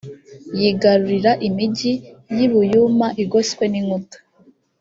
yigarurira imigi y i buyuma igoswe n inkuta